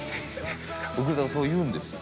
奥田はそう言うんですよ